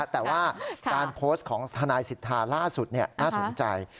แต่ว่าการโพสต์ของทนายสิทธาล่าสุดน่าสนใจ